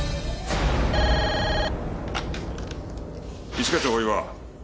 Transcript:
一課長大岩。